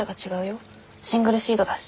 シングルシードだし。